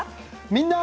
「みんな！